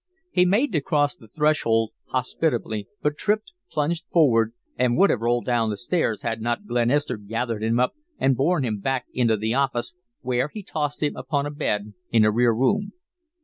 He made to cross the threshold hospitably, but tripped, plunged forward, and would have rolled down the stairs had not Glenister gathered him up and borne him back into the office, where he tossed him upon a bed in a rear room.